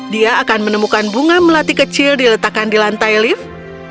dia akan menemukan bunga melati kecil diletakkan di lantai lift